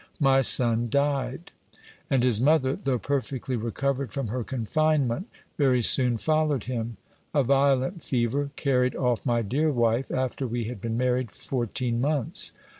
My son died ; and his mother, though perfectly recovered from her confinement, very soon followed him : a violent fever carried off my dear wife, after we had been married four teen months.